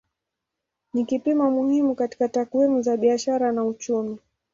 Ni kipimo muhimu katika takwimu za biashara na uchumi.